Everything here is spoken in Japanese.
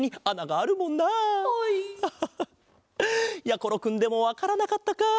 やころくんでもわからなかったか。